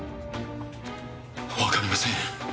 わかりません。